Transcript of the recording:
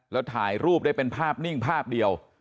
แล้วถ่ายรูปได้เป็นภาพนิ่งภาพเดียว